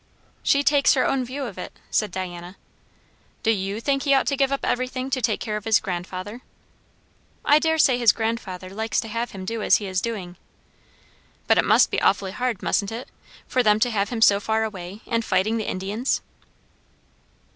"She takes her own view of it," said Diana. "Do you think he ought to give up everything to take care of his grandfather?" "I daresay his grandfather likes to have him do as he is doing." "But it must be awfully hard, mustn't it, for them to have him so far away, and fighting the Indians?"